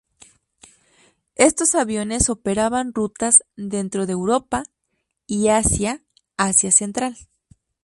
Estos aviones operaban rutas dentro de Europa y hacia Asia Central.